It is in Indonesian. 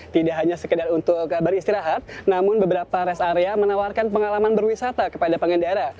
tidak hanya sekedar untuk beristirahat namun beberapa rest area menawarkan pengalaman berwisata kepada pengendara